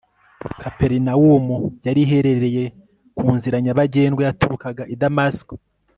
kaperinawumu yari iherereye ku nzira nyabagendwa yaturukaga i damasiko